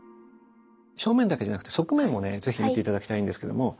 正面だけじゃなくて側面もね是非見て頂きたいんですけども。